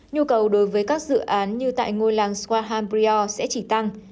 nhu cầu đối với các dự án như tại ngôi làng squahambriel sẽ chỉ tăng